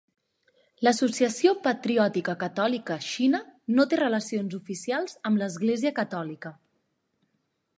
L'Associació Patriòtica Catòlica Xina no té relacions oficials amb l'Església catòlica.